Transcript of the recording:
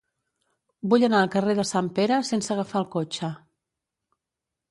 Vull anar al carrer de Sant Pere sense agafar el cotxe.